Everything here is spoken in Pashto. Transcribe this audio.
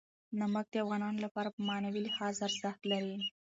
نمک د افغانانو لپاره په معنوي لحاظ ارزښت لري.